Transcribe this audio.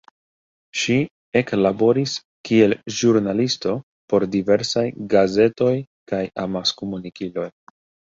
Ŝi eklaboris kiel ĵurnalisto por diversaj gazetoj kaj amaskomunikiloj.